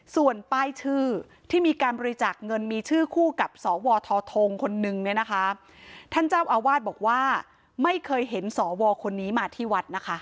ส่วนป้ายชื่อที่มีการบริจาคเงินมีชื่อคู่กับสวททงคนนึงเนี่ยนะคะท่านเจ้าอาวาสบอกว่าไม่เคยเห็นสวคนนี้มาที่วัดนะคะ